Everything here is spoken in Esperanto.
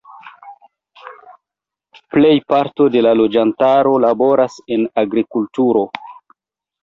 Plejparto de la loĝantaro laboras en agrikulturo.